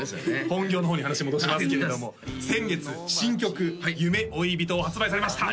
本業の方に話戻しますけれども先月新曲「夢追い人」を発売されました